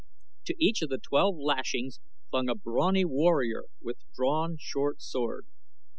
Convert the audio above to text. To each of the twelve lashings clung a brawny warrior with drawn short sword.